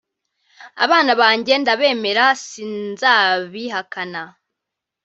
Abana banjye ndabemera sinzabihakana